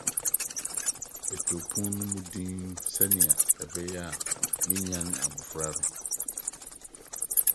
Metoo pon no mu dinn sɛnea ɛbɛyɛ a menyan abofra no.